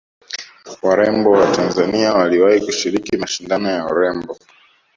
warembo wa tanzania waliwahi kushiriki mashindano ya urembo